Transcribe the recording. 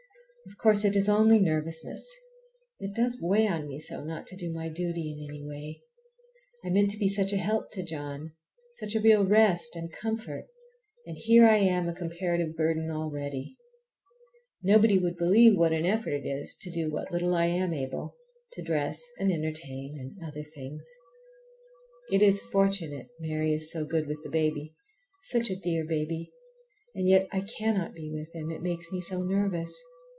Of course it is only nervousness. It does weigh on me so not to do my duty in any way! I meant to be such a help to John, such a real rest and comfort, and here I am a comparative burden already! Nobody would believe what an effort it is to do what little I am able—to dress and entertain, and order things. It is fortunate Mary is so good with the baby. Such a dear baby! And yet I cannot be with him, it makes me so nervous.